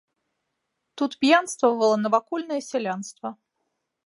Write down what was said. Тут п'янствавала навакольнае сялянства.